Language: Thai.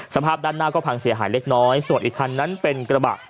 สภาพด้านหน้าก็พังเสียหายเล็กน้อยส่วนอีกคันนั้นเป็นกระบะ